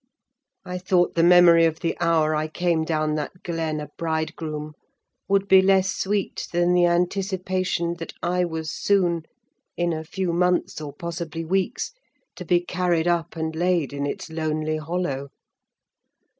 I thought the memory of the hour I came down that glen a bridegroom would be less sweet than the anticipation that I was soon, in a few months, or, possibly, weeks, to be carried up, and laid in its lonely hollow!